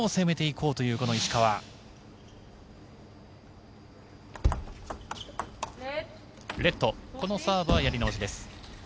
このサーブはやり直し。